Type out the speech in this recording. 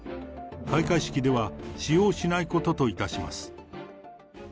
開会式では使用しないことといたします。